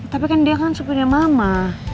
tapi kan dia kan punya mama